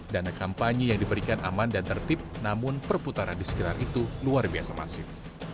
dana kampanye yang diberikan aman dan tertib namun perputaran di sekitar itu luar biasa masif